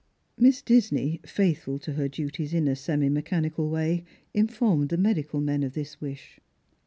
Miss Disney, faithful to her duties iu a semi mechanical waj, informed ^he medical men of this wish.